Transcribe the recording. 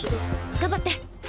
頑張って！